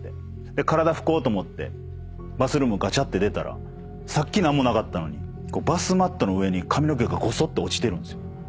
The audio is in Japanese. で体拭こうと思ってバスルームガチャッて出たらさっき何もなかったのにバスマットの上に髪の毛がごそっと落ちてるんですよ。